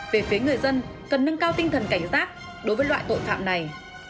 về phía người dân cần nâng cao tinh thần cảnh giác đối với loại tội phạm này